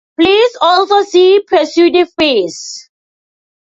Please also see pseudofeces.